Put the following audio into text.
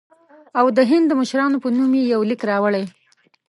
او د هند د مشرانو په نوم یې یو لیک راوړی.